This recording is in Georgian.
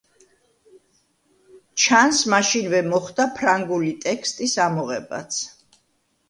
ჩანს, მაშინვე მოხდა ფრანგული ტექსტის ამოღებაც.